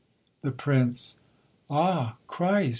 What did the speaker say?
THE PRINCE. Ah Christ!